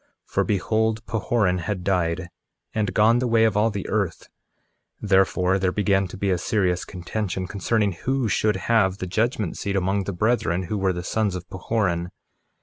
1:2 For behold, Pahoran had died, and gone the way of all the earth; therefore there began to be a serious contention concerning who should have the judgment seat among the brethren, who were the sons of Pahoran.